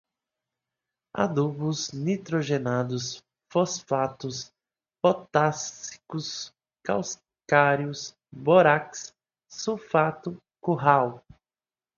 adubos nitrogenados, fosfatados, potássicos, calcários, bórax, sulfato, curral